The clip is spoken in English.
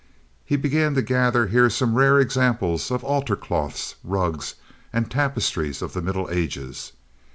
He began to gather here some rare examples of altar cloths, rugs, and tapestries of the Middle Ages.